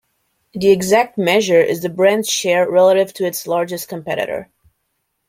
The exact measure is the brand's share relative to its largest competitor.